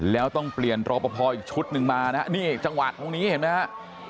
แล้วต้องเปลี่ยนรอปภอีกชุดหนึ่งมานะฮะนี่จังหวะตรงนี้เห็นไหมฮะ